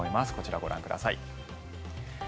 こちらをご覧ください。